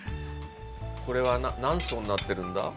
これは何層になってるんだ？